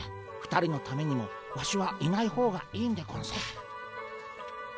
２人のためにもワシはいない方がいいんでゴンス。